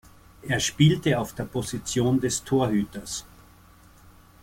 Er spielte auf der Position des Torhüters.